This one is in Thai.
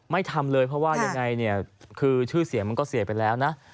ไม่ทำเลยเพราะว่ายังไงชื่อเสียมันก็เสียไปแล้วนะ